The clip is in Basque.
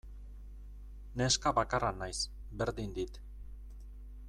Neska bakarra naiz, berdin dit.